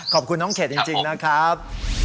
ขอบคุณน้องเขตจริงนะครับ